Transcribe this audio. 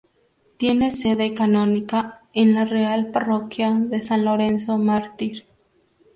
Tiene sede canónica en la Real Parroquia de San Lorenzo Mártir.